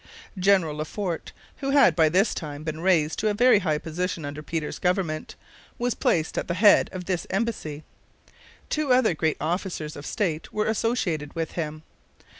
General Le Fort, who had by this time been raised to a very high position under Peter's government, was placed at the head of this embassy. Two other great officers of state were associated with him.